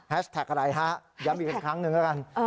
แฮชแท็กอะไรฮะย้ำอีกครั้งหนึ่งกัน